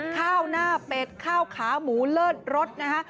ข้าวหน้าเป็ดข้าวขาหมูเลิศรสนะคะ